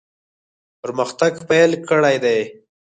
پرمختګ پیل کړی دی.